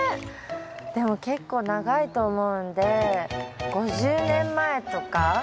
でも結構長いと思うんで５０年前。